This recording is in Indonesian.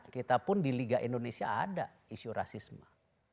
kita pun di liga indonesia ada isu rasisme